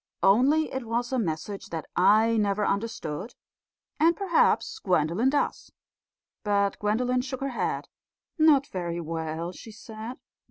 Only it was a message that I never understood; and perhaps Gwendolen does." But Gwendolen shook her head. "Not very well," she said.